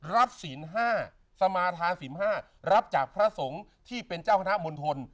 ศีล๕สมาธาศิลป๕รับจากพระสงฆ์ที่เป็นเจ้าคณะมณฑล